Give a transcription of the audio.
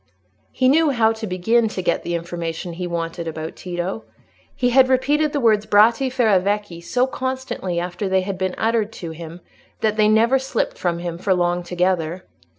He knew how to begin to get the information he wanted about Tito. He had repeated the words "Bratti Ferravecchi" so constantly after they had been uttered to him, that they never slipped from him for long together.